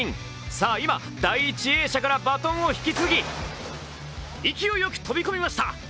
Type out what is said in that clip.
さぁ、今第１泳者からバトンを引き継ぎ勢いよく飛び込みました。